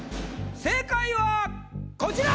正解はこちら！